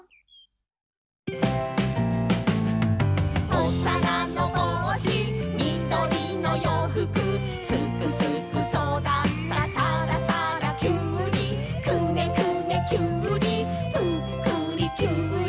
「おさらのぼうしみどりのようふく」「すくすくそだったさらさらキュウリ」「くねくねキュウリぷっくりキュウリ」